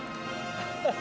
ハハハ！